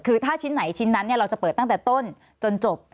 คือถ้าชิ้นไหนชิ้นนั้นเราจะเปิดตั้งแต่ต้นจนจบ